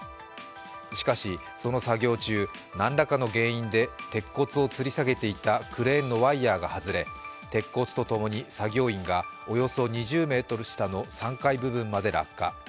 しかし、その作業中、何らかの原因で鉄骨をつり下げていたクレーンのワイヤーが外れ、鉄骨とともに作業員がおよそ２０ｍ下の３階部分まで落下。